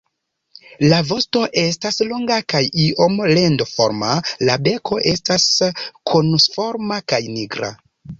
La vosto estas longa kaj iom rondoforma; la beko estas konusforma kaj nigra.